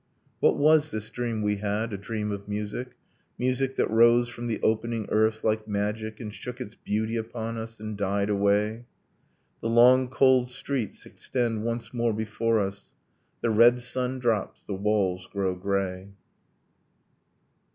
What was this dream we had, a dream of music, Music that rose from the opening earth like magic And shook its beauty upon us and died away? The long cold streets extend once more before us. The red sun drops, the walls grow grey.